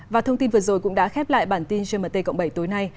và thông tin vừa rồi cũng đã khép lại bản tin gmt cộng bảy tối nay